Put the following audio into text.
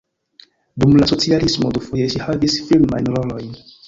Dum la socialismo dufoje ŝi havis filmajn rolojn.